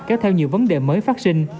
kéo theo nhiều vấn đề mới phát sinh